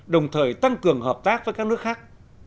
đồng thời tăng cường hợp tác với các nước khác